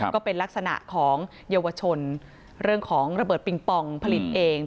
ก็เป็นลักษณะของเยาวชนเรื่องของระเบิดปิงปองผลิตเอง